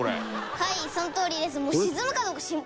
「はいそのとおりです」